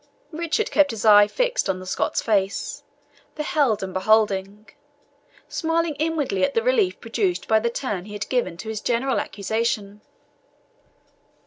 Richard kept his eye fixed on the Scot's face, beheld and beholding, smiling inwardly at the relief produced by the turn he had given to his general accusation.